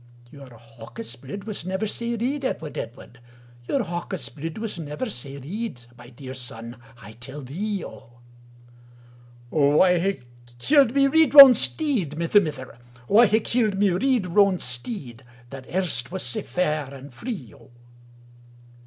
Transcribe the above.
"Your haukis bluid was nevir sae reid, Edward, Edward, Your haukis bluid was nevir sae reid, My deir son I tell thee O.""O I hae killed my reid roan steid, Mither, mither,O I hae killed my reid roan steid, That erst was sae fair and frie O."